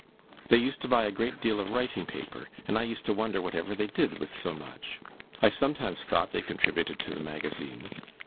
They used to buy a great deal of writing paper, and I used to wonder whatever they did with so much. I sometimes thought they contributed to the Magazines.